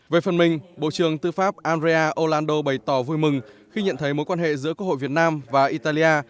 về phần mình bộ trưởng tư pháp andrea olanddo bày tỏ vui mừng khi nhận thấy mối quan hệ giữa quốc hội việt nam và italia